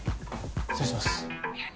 失礼します。